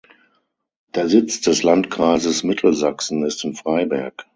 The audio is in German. Der Sitz des Landkreises Mittelsachsen ist in Freiberg.